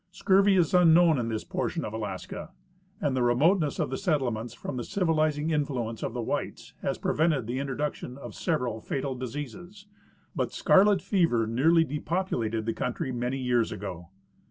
Scurvy is unknown in this portion of Alaska, and the remoteness of the settlements from the civilizing influence of the whites has pre vented the introduction of several fatal diseases, but scarlet fever nearly depopulated the country many years ago.